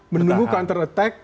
menunggu counter attack